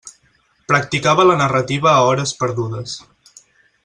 Practicava la narrativa a hores perdudes.